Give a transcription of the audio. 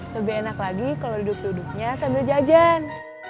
lebih enak lagi kalau duduk duduknya sambil jajan